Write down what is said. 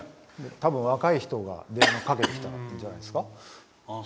多分若い人が電話かけてきたんじゃないですか。